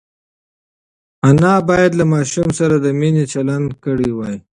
انا باید له ماشوم سره د مینې چلند کړی وای.